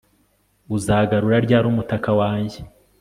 Uzagarura ryari umutaka wanjye